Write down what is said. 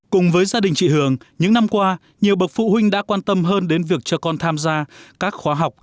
cùng với gia đình chị hường những năm qua nhiều bậc phụ huynh đã quan tâm hơn đến việc cho con tham gia các khóa học